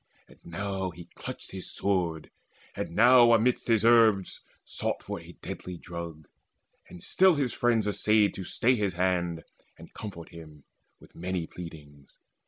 And now He clutched his sword, and now amidst his herbs Sought for a deadly drug; and still his friends Essayed to stay his hand and comfort him With many pleadings.